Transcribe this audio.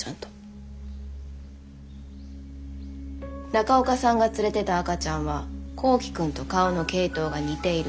中岡さんが連れてた赤ちゃんは幸希くんと顔の系統が似ている。